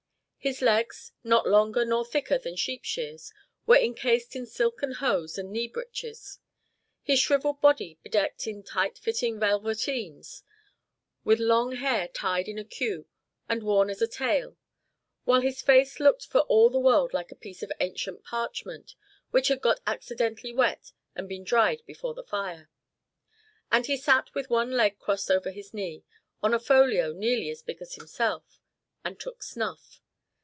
His legs, not longer nor thicker than sheep shears, were encased in silken hose and knee breeches; his shrivelled body bedecked in tight fitting velveteens, with long hair tied in a cue and worn as a tail, while his face looked for all the world like a piece of ancient parchment, which had got accidentally wet, and been dried before the fire. And he sat with one leg crossed over his knee, on a folio nearly as big as himself, and took snuff.